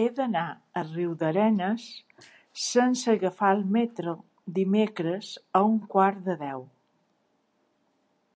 He d'anar a Riudarenes sense agafar el metro dimecres a un quart de deu.